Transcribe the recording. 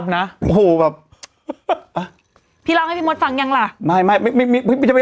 เค้าตัวมั้งไปฟังคุณมดดำนะ